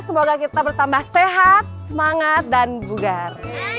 semoga kita bertambah sehat semangat dan bugar